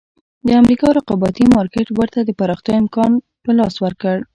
د امریکا رقابتي مارکېټ ورته د پراختیا امکان په لاس ورکړ.